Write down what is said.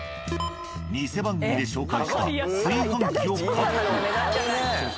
ニセ番組で紹介した炊飯器を確保。